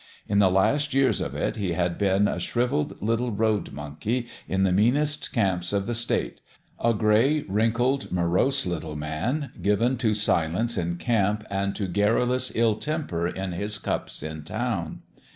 In the last years of it he had been a shrivelled little road monkey in the meanest camps of the state a gray, wrinkled, morose little man, given to silence in camp and to garrulous ill temper in his cups in town.